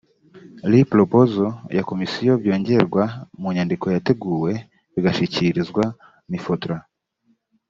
re proposal ya komisiyo byongerwa mu nyandiko yateguwe bigashyikirizwa mifotra